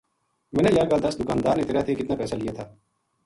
منا یاہ گل دس دکاندار نے تیرے تیں کتنا پیسہ لیا تھا